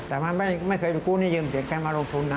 แต่ไม่เคยเป็นกู้นี่ยืมเสียงข้างหัวล่วงพุทค์นะ